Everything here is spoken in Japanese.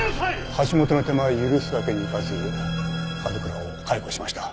橋本の手前許すわけにいかず角倉を解雇しました。